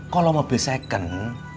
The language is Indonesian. kalau mobil second